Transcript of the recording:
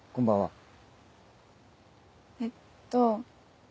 えっと。